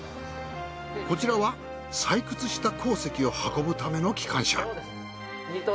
こちらは採掘した鉱石を運ぶための機関車。